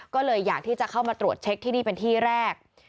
ก็เลยอยากที่จะเข้ามาตรวจเช็คที่นี่เป็นที่แรก